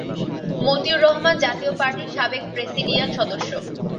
মতিউর রহমান জাতীয় পার্টির সাবেক প্রেসিডিয়াম সদস্য।